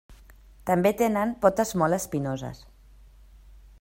També tenen potes molt espinoses.